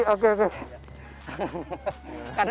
enggak boleh terangkaki oke anda